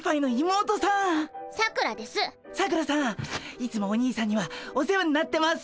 いつもお兄さんにはお世話になってます！